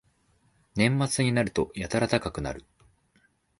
年末になるとやたら高くなる